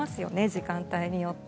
時間帯によって。